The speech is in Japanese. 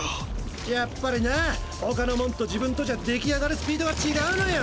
やっぱりなァ他のモンと自分とじゃ出来上がるスピードが違うのよ。